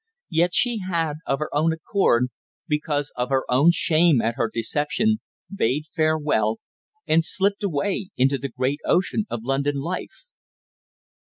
Yet she had, of her own accord, because of her own shame at her deception, bade farewell, and slipped away into the great ocean of London life.